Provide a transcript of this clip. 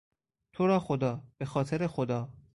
تو را خدا!، به خاطر خدا!